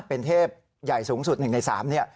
เป็นเทพใหญ่สูงสุดหนึ่งในสาม